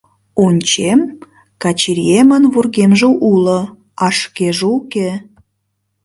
Ончем, Качиемын вургемже уло, а шкеже уке.